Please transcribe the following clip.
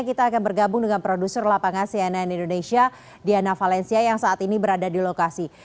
kita akan bergabung dengan produser lapangan cnn indonesia diana valencia yang saat ini berada di lokasi